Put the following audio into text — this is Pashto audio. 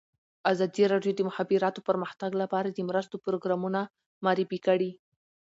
ازادي راډیو د د مخابراتو پرمختګ لپاره د مرستو پروګرامونه معرفي کړي.